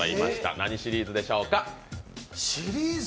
何シリーズでしょうか？